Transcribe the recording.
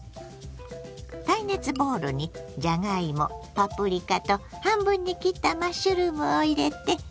耐熱ボウルにじゃがいもパプリカと半分に切ったマッシュルームを入れて。